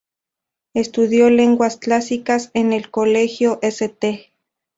Estudió Lenguas Clásicas en el Colegio St.